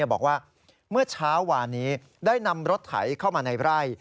บอกว่าเมื่อเช้าวานนี้ได้นำรถไถเข้ามาในไร่